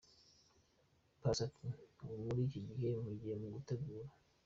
Paccy ati, Ubu muri iki gihe mpugiye mu gutegura.